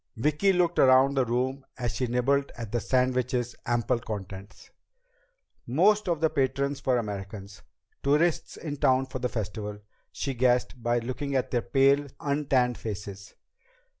Vicki looked around the room as she nibbled at the sandwich's ample contents. Most of the patrons were Americans, tourists in town for the Festival, she guessed, by looking at their pale, untanned faces.